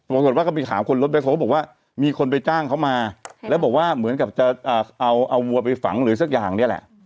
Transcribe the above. ปรากฏว่าก็ไปถามคนรถแคลบอกว่ามีคนไปจ้างเขามาแล้วบอกว่าเหมือนกับจะเอาวัวไปฝังหรือสักอย่างเนี่ยแหละ